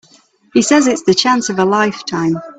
He says it's the chance of a lifetime.